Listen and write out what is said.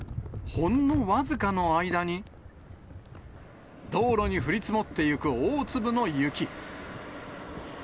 ほんの僅かの間に、道路に降り積もってゆく大粒の雪。